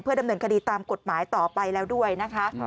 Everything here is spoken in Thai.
ดำเนินคดีตามกฎหมายต่อไปแล้วด้วยนะคะ